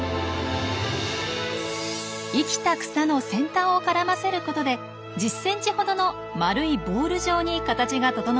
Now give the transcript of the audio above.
生きた草の先端を絡ませることで１０ｃｍほどの丸いボール状に形が整えられています。